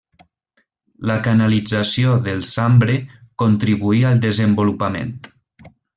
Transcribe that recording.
La canalització del Sambre contribuí al desenvolupament.